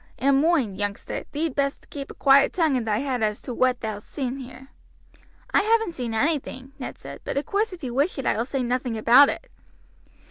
And moind, youngster, thee'd best keep a quiet tongue in thy head as to whaat thou'st seen here." "I haven't seen anything," Ned said; "but of course if you wish it I will say nothing about it."